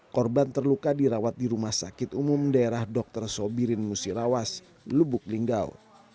korban terluka dirawat di rumah sakit umum daerah dr sobirin musirawas lubuk linggau